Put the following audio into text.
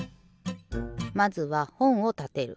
まずはほんをたてる。